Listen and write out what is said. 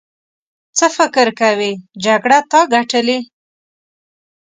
څه فکر کوې جګړه تا ګټلې.